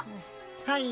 はい。